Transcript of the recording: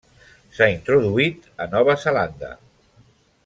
S'ha introduït a Nova Zelanda.